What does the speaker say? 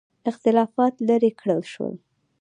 اختلافات لیرې کړل شول.